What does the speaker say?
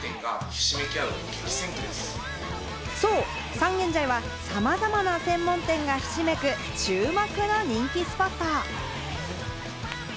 三軒茶屋はさまざまな専門店がひしめく、注目の人気スポット。